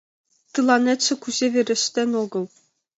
— Тыланетше кузе верештын огыл?